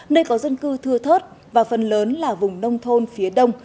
nơi có dân cư thưa thớt và phần lớn là vùng nông thôn phía đông